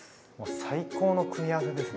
最高の組み合わせですね。